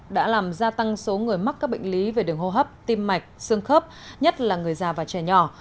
đã làm gia tăng số người mắc các bệnh lý về đường hô hấp tim mạch xương khớp nhất là người già và trẻ nhỏ